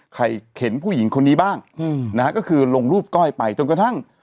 เห็นผู้หญิงคนนี้บ้างนะฮะก็คือลงรูปก้อยไปจนกระทั่ง